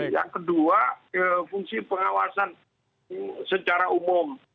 yang kedua fungsi pengawasan secara umum